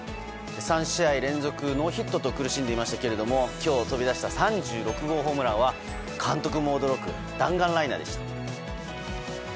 ３試合連続ノーヒットと苦しんでいましたけども今日飛び出した３６号ホームランは監督も驚く弾丸ライナーでした。